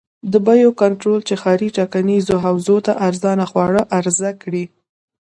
د بیو کنټرول چې ښاري ټاکنیزو حوزو ته ارزانه خواړه عرضه کړي.